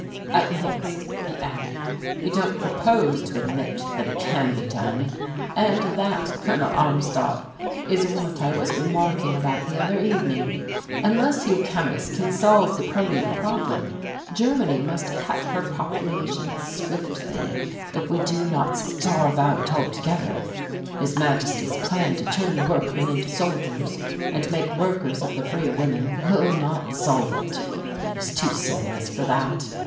"At least," he added, "we don't propose to admit that it can be done. And that, Col. Armstadt, is what I was remarking about the other evening. Unless you chemists can solve the protium problem, Germany must cut her population swiftly, if we do not starve out altogether. His Majesty's plan to turn the workmen into soldiers and make workers of the free women will not solve it. It is too serious for that.